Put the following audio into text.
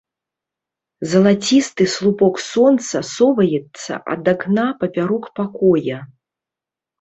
Залацісты слупок сонца соваецца ад акна папярок пакоя.